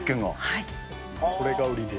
これが売りです。